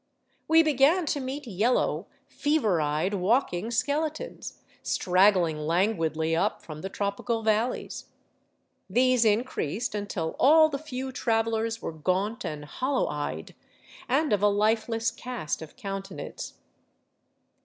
We began to meet yellow, fever eyed walking skeletons, straggling languidly up from the tropical valleys. These increased until all the few travelers were gaunt and hollow eyed, and of a lifeless cast of countenance.